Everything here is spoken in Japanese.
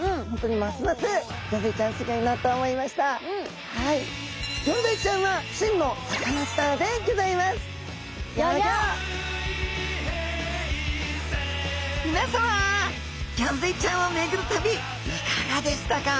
皆さまギョンズイちゃんを巡る旅いかがでしたか？